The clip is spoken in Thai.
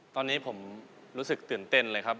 ตอนนี้ผมรู้สึกตื่นเต้นเลยครับ